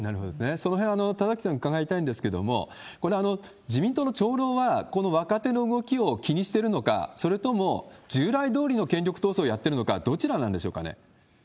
そのへん、田崎さんに伺いたいんですけれども、自民党の長老はこの若手の動きを気にしてるのか、それとも従来どおりの権力闘争をやってるのか、どちらなんでしょうかね？